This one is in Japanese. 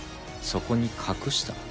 そこに隠した。